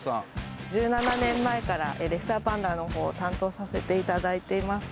１７年前からレッサーパンダの方を担当させていただいています